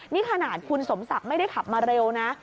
นี่ขนาดคุณสมศักดิ์ไม่ได้ขับมาเร็วนะ